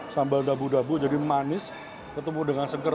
sambal dabu dabu jadi manis ketemu dengan seger